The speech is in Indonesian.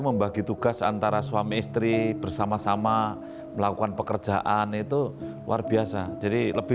membagi tugas antara suami istri bersama sama melakukan pekerjaan itu luar biasa jadi lebih